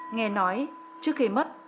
nghe nói trước khi mất